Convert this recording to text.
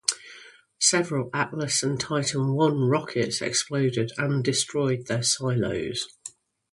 Several Atlas and Titan I rockets exploded and destroyed their silos.